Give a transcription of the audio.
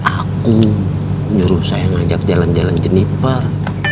aku nyuruh saya ngajak jalan jalan jeniper